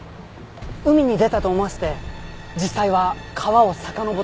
海に出たと思わせて実際は川をさかのぼっていたんです。